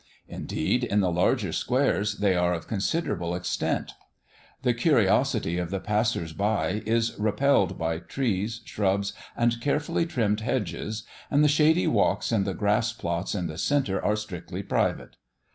Indeed, in the larger squares, they are of considerable extent. The curiosity of the passers by is repelled by trees, shrubs, and carefully trimmed hedges, and the shady walks and the grassplots in the centre are strictly private.